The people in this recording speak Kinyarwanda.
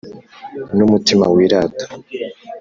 N umutima wirata